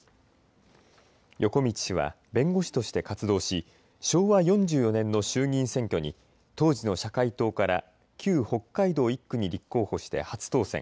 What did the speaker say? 横路氏は弁護士として活動し昭和４４年の衆議院選挙に当時の社会党から旧北海道１区に立候補して初当選。